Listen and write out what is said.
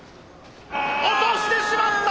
落としてしまった！